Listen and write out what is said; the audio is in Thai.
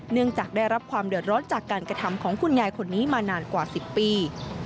เนื่องจากได้รับความเดือดร้อนจากการกระทำของคุณยายคนนี้มานานกว่า๑๐ปี